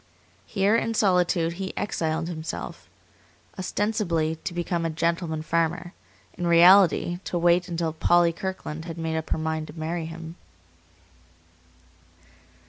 Here, in solitude, he exiled himself; ostensibly to become a gentleman farmer; in reality to wait until Polly Kirkland had made up her mind to marry him.